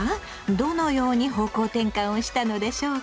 どのように方向転換をしたのでしょうか。